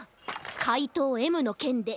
かいとうＭのけんで。